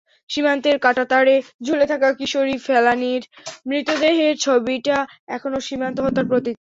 সীমান্তের কাঁটাতারে ঝুলে থাকা কিশোরী ফেলানীর মৃতদেহের ছবিটা এখনো সীমান্ত হত্যার প্রতীক।